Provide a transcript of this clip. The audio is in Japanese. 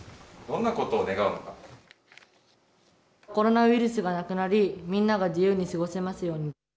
コロナウイルスがなくなり、みんなが自由に過ごせますように。